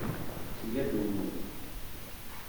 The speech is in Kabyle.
Tga-d umuɣ.